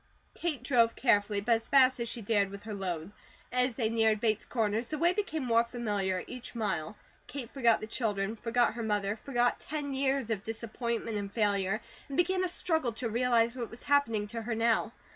Kate drove carefully, but as fast as she dared with her load. As they neared Bates Corners, the way became more familiar each mile. Kate forgot the children, forgot her mother, forgot ten years of disappointment and failure, and began a struggle to realize what was happening to her now.